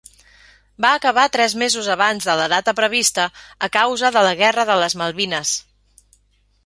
Va acabar tres mesos abans de la data prevista a causa de la guerra de les Malvines.